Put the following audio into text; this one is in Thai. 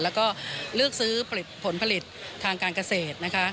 และเลือกซื้อผลผลิตทางการเกษตร